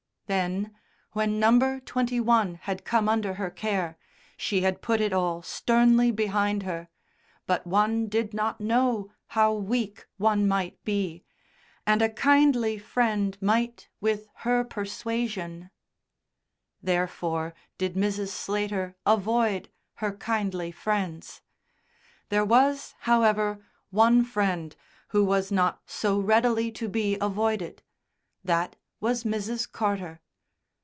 Then, when No. 21 had come under her care, she had put it all sternly behind her, but one did not know how weak one might be, and a kindly friend might with her persuasion Therefore did Mrs. Slater avoid her kindly friends. There was, however, one friend who was not so readily to be avoided; that was Mrs. Carter.